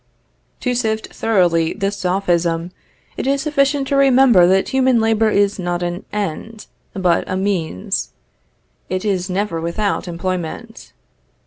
To sift thoroughly this sophism, it is sufficient to remember that human labor is not an end, but a means. _It is never without employment.